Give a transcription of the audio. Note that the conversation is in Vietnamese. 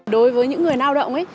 đối với những người nao động